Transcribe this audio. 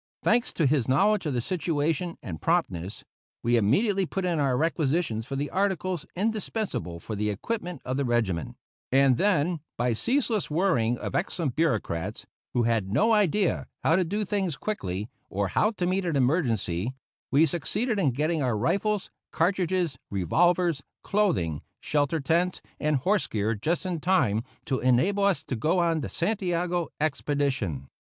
Thanks to his knowledge of the situation and promptness, we immediately put in our requisitions for the articles indispensable for the equipment of the regiment; and then, by ceaseless worrying of excellent bureaucrats, who had no idea how to do things quickly or how to meet an emergency, we succeeded in getting our rifles, cartridges, revolvers, clothing, shelter tents, and horse gear just in time to enable us to go on the Santiago expedition.